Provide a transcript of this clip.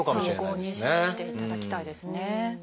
参考にしていただきたいですね。